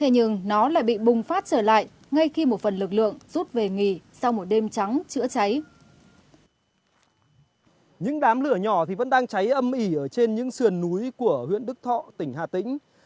những đám lửa nhỏ vẫn đang cháy âm ỉ ở trên những sườn núi của huyện đức thọ tỉnh hà tĩnh